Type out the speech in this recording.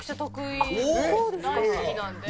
大好きなので。